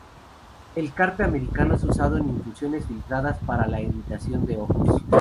El carpe americano es usado en infusiones filtradas para la irritación de los ojos.